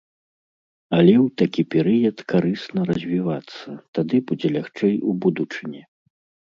Але ў такі перыяд карысна развівацца, тады будзе лягчэй у будучыні.